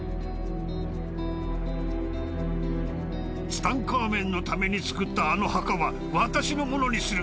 ツタンカーメンのために造ったあの墓は私のものにする。